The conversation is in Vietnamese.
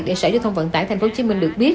để sở giao thông vận tải tp hcm được biết